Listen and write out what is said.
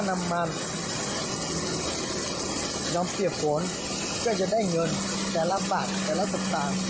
นำมายอมเปียกฝนเพื่อจะได้เงินแต่ละบาทแต่ละสตางค์